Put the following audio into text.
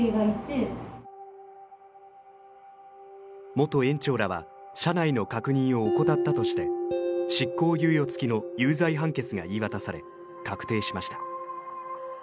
元園長らは車内の確認を怠ったとして執行猶予付きの有罪判決が言い渡され確定しました。